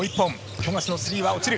富樫のスリーは落ちる。